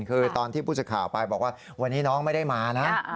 คือตอนที่ผู้สื่อข่าวไปบอกว่าวันนี้น้องไม่ได้มานะ